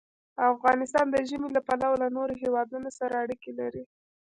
افغانستان د ژمی له پلوه له نورو هېوادونو سره اړیکې لري.